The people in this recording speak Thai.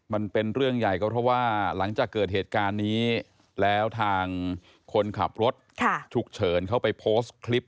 มันเป็นเรื่องใหญ่ก็เพราะว่าหลังจากเกิดเหตุการณ์นี้แล้วทางคนขับรถฉุกเฉินเขาไปโพสต์คลิป